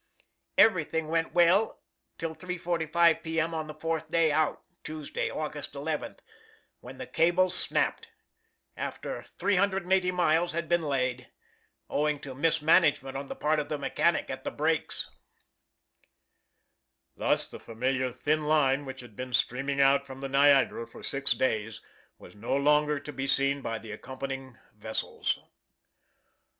"Everything went well till 3.45 P.M. on the fourth day out (Tuesday, August 11th), when the cable snapped, after 380 miles had been laid, owing to mismanagement on the part of the mechanic at the brakes." Thus the familiar thin line which had been streaming out from the Niagara for six days was no longer to be seen by the accompanying vessels.